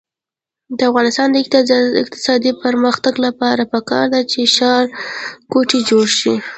د افغانستان د اقتصادي پرمختګ لپاره پکار ده چې ښارګوټي جوړ شي.